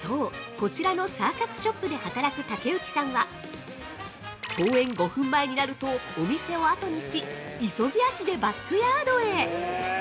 こちらのサーカスショップで働く竹内さんは、公演５分前になるとお店を後にし、急ぎ足でバックヤードへ！